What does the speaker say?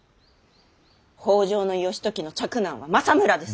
北条義時の嫡男は政村です。